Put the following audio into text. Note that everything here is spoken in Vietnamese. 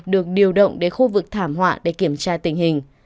được điều động đến khu vực thảm họa để kiểm tra tình hình